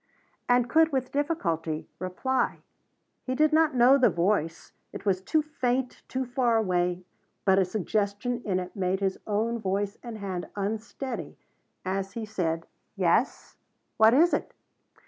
And could with difficulty reply. He did not know the voice, it was too faint, too far away, but a suggestion in it made his own voice and hand unsteady as he said: "Yes? What is it?"